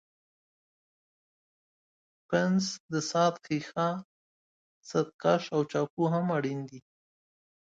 پنس، د ساعت ښيښه، ستکش او چاقو هم اړین دي.